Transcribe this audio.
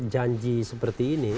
menurut janji seperti ini